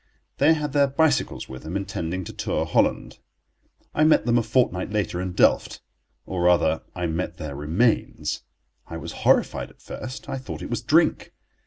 They had their bicycles with them, intending to tour Holland. I met them a fortnight later in Delft, or, rather, I met their remains. I was horrified at first. I thought it was drink.